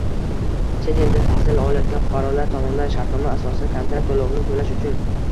Chet elda tahsil olayotgan fuqarolar tomonidan shartnoma asosida kontrakt to‘lovini to‘lash uchun